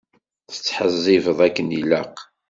Tettḥezzibeḍ akken ilaq.